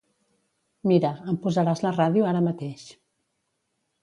Mira, em posaràs la ràdio ara mateix.